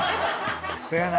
せやな。